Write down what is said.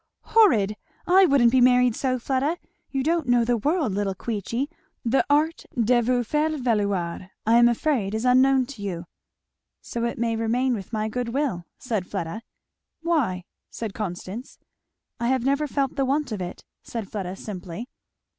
Horrid! I wouldn't be married so, Fleda. You don't know the world, little Queechy; the art de vous faire valoir I am afraid is unknown to you." "So it may remain with my good will," said Fleda. "Why?" said Constance. "I have never felt the want of it," said Fleda simply.